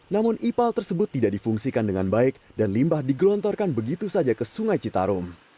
namun ipal tersebut tidak difungsikan dengan baik dan limbah digelontorkan begitu saja ke sungai citarum